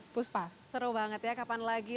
puspa seru banget ya kapan lagi